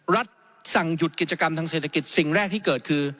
สั่งหยุดกิจกรรมทางเศรษฐกิจสิ่งแรกที่เกิดคือ